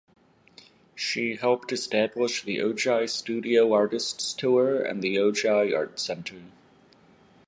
She helped establish the Ojai Studio Artists Tour and the Ojai Art Center.